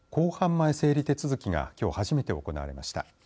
前整理手続きがきょう初めて行われました。